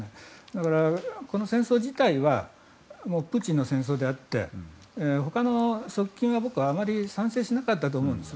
だから、この戦争自体はもうプーチンの戦争であってほかの側近が、僕は賛成しなかったと思うんです。